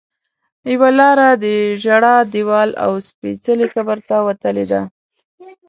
یوه لاره د ژړا دیوال او سپېڅلي قبر ته وتلې ده.